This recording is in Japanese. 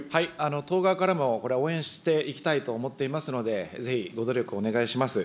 党側からも、これは応援していきたいと思っていますので、ぜひ、ご努力をお願いします。